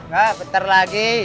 pak bentar lagi